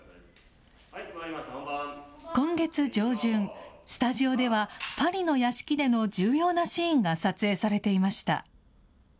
今月上旬、スタジオではパリの屋敷での重要なシーンが撮影されていました。